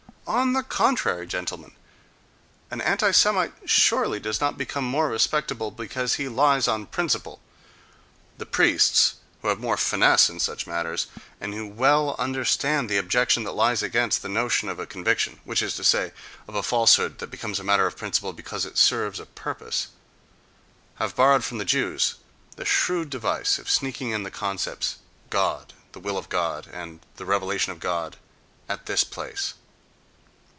On the contrary, gentlemen! An anti Semite surely does not become more respectable because he lies on principle.... The priests, who have more finesse in such matters, and who well understand the objection that lies against the notion of a conviction, which is to say, of a falsehood that becomes a matter of principle because it serves a purpose, have borrowed from the Jews the shrewd device of sneaking in the concepts, "God," "the will of God" and "the revelation of God" at this place.